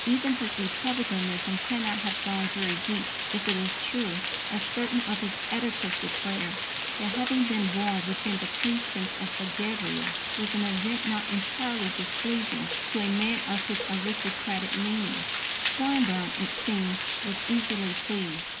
Even his republicanism cannot have gone very deep if it is true, as certain of his editors declare, that having been born within the precincts of Belgravia "was an event not entirely displeasing to a man of his aristocratic leanings." Swinburne, it seems, was easily pleased.